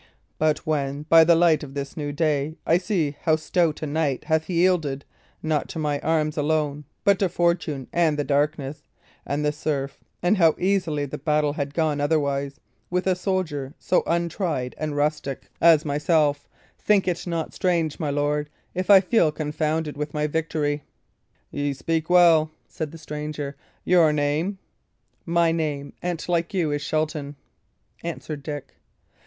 But when, by the light of this new day, I see how stout a knight hath yielded, not to my arms alone, but to fortune, and the darkness, and the surf and how easily the battle had gone otherwise, with a soldier so untried and rustic as myself think it not strange, my lord, if I feel confounded with my victory." "Ye speak well," said the stranger. "Your name?" "My name, an't like you, is Shelton," answered Dick.